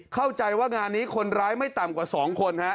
เข้าใจว่างานนี้คนร้ายไม่ต่ำกว่า๒คนฮะ